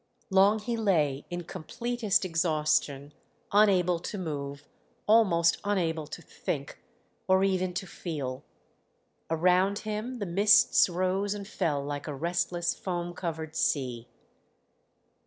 Long he lay in completest exhaustion unable to move, almost unable to think, or even to feel. Around him the mists rose and fell like a restless foam covered sea!